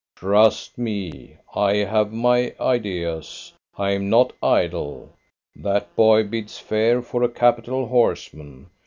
"Trust me. I have my ideas. I am not idle. That boy bids fair for a capital horseman.